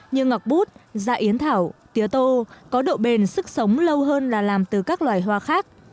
như ngọc bút dạ yến thảo tía tô có độ bền sức sống lâu hơn là làm từ các loài hoa khác